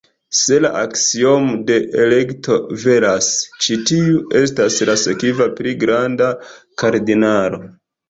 Se la aksiomo de elekto veras, ĉi tiu estas la sekva pli granda kardinalo.